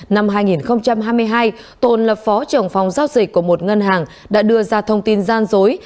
năm hai nghìn hai mươi hai tồn là phó trưởng phòng giao dịch của một ngân hàng đã đưa ra thông tin gian dối